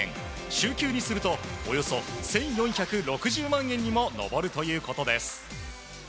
週給にするとおよそ１４６０万円にも上るということです。